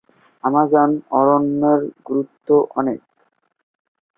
Amazon অরণ্যের গুরুত্ব অনেক।